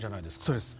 そうです。